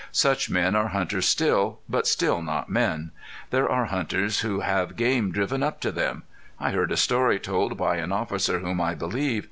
Such men are hunters still, but still not men! There are hunters who have game driven up to them. I heard a story told by an officer whom I believe.